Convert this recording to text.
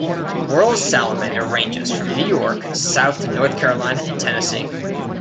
Wehrle's salamander ranges from New York south to North Carolina and Tennessee.